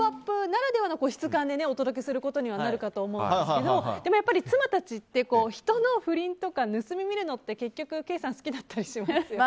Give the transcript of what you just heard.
ならではの質感でお届けすることにはなると思うんですがでも、妻たちって盗み見るのって結局好きだったりしますよね。